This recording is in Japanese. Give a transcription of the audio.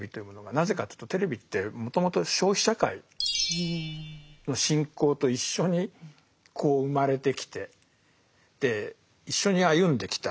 なぜかというとテレビってもともと消費社会の進行と一緒にこう生まれてきてで一緒に歩んできた。